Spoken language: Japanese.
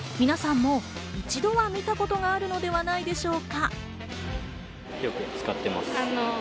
みなさんも一度は見たことがあるのではないでしょうか。